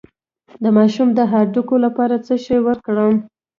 د ماشوم د هډوکو لپاره څه شی ورکړم؟